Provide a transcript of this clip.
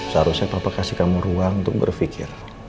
seharusnya bapak kasih kamu ruang untuk berpikir